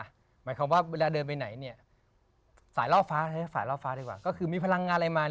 หมายความว่าเวลาเดินไปไหนสายรอบฟ้าใช้สายล่อฟ้าดีกว่าก็คือมีพลังงานอะไรมา